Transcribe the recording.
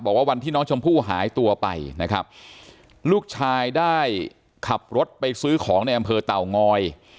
วันที่น้องชมพู่หายตัวไปนะครับลูกชายได้ขับรถไปซื้อของในอำเภอเต่างอย